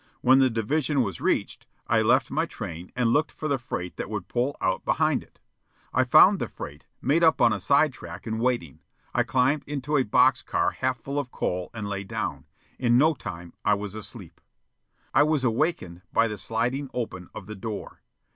When the division was reached, I left my train, and looked for the freight that would pull out behind it. I found the freight, made up on a side track and waiting. I climbed into a box car half full of coal and lay down. In no time I was asleep. I was awakened by the sliding open of the door.